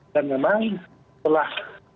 dan memang setelah